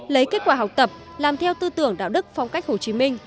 lấy kết quả học tập làm theo tư tưởng đạo đức phong cách hồ chí minh